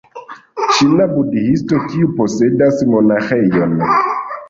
Ĉina budhisto, kiu posedas monaĥejon